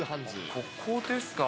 ここですか？